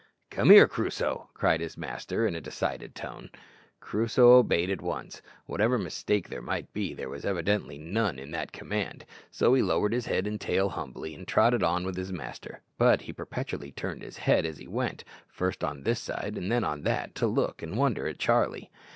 "Come here, Crusoe!" cried his master in a decided tone. Crusoe obeyed at once. Whatever mistake there might be, there was evidently none in that command; so he lowered his head and tail humbly, and trotted on with his master, but he perpetually turned his head as he went, first on this side and then on that, to look and wonder at Charlie.